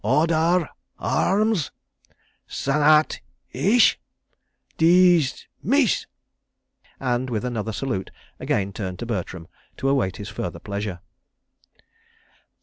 _Or_der r ar r rms. Stannat eashe. Dees_mees_!" and with another salute, again turned to Bertram to await his further pleasure.